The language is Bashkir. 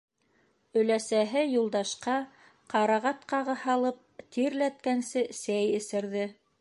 Өләсәһе Юлдашҡа, ҡарағат ҡағы һалып, тирләткәнсе сәй эсерҙе.